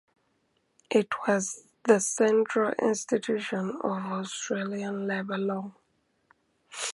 It was the central institution of Australian labour law.